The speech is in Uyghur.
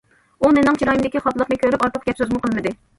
ئۇ مېنىڭ چىرايىمدىكى خاپىلىقنى كۆرۈپ ئارتۇق گەپ- سۆزمۇ قىلمىدى.